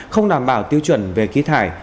không đảm bảo tiêu chuẩn về khí thải